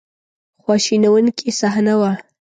خواشینونکې صحنه وه.